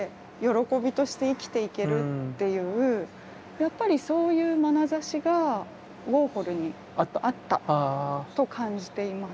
やっぱりそういうまなざしがウォーホルにあったと感じています。